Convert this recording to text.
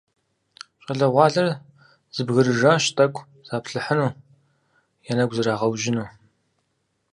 ЩӀалэгъуалэр зэбгрыжащ тӀэкӀу заплъыхьыну, я нэгу зрагъэужьыну.